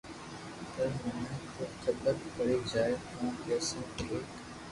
پر مني تو خبر پڙي جائين ڪونڪھ سب ايڪ